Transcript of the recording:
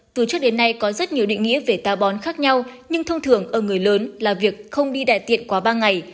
từ trước đến nay có rất nhiều định nghĩa về tàu bón khác nhau nhưng thông thường ở người lớn là việc không đi đại tiện qua ba ngày